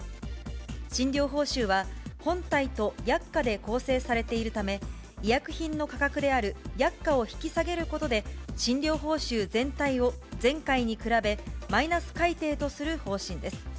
診療報酬は、本体と薬価で構成されているため、医薬品の価格である薬価を引き下げることで、診療報酬全体を前回に比べマイナス改定とする方針です。